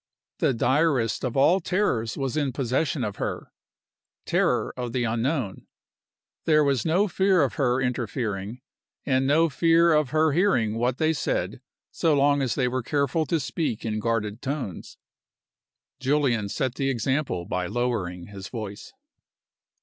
The direst of all terrors was in possession of her terror of the unknown. There was no fear of her interfering, and no fear of her hearing what they said so long as they were careful to speak in guarded tones. Julian set the example by lowering his voice.